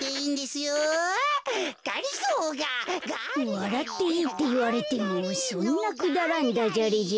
わらっていいっていわれてもそんなくだらんダジャレじゃ。